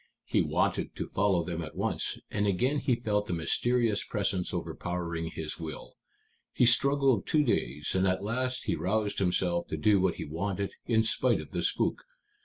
He wanted to follow them at once, and again he felt the mysterious presence overpowering his will. He struggled two days, and at last he roused himself to do what he wanted in spite of the spook.